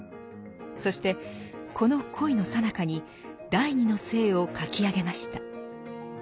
そしてこの恋のさなかに「第二の性」を書き上げました。